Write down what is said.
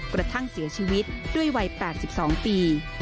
กระทั่งเสียชีวิตด้วยวัย๘๒ปี